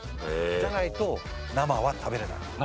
じゃないと生は食べれない。